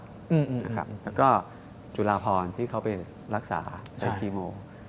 แล้วก็จุฬาพรที่เขาไปรักษาในคีโม